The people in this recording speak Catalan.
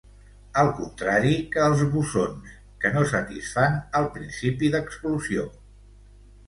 Al contrari que els bosons, que no satisfan el principi d'exclusió